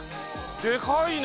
でかいね！